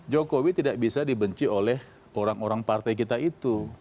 jokowi tidak bisa dibenci oleh orang orang partai kita itu